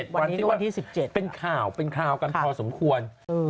วันที่๑๗เป็นข่าวเป็นข่าวกันพอสมควร